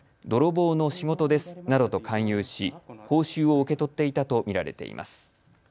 泥棒の仕事ですなどと勧誘し、報酬を受け取っていたと見られています。